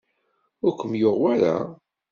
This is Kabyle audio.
Ur kem-yuɣ wara?